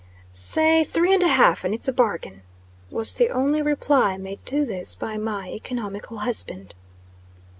"Say three and a half, and it's a bargain," was the only reply made to this by my economical husband.